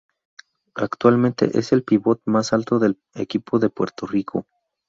Actualmente es el Pivot más alto del equipo de Puerto Rico.